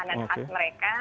itu makanan khas mereka